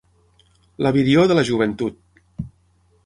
La virior de la joventut.